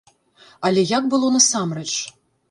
Але як было насамрэч?